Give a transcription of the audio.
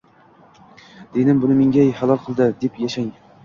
«dinim buni menga halol qildi» deb yashasang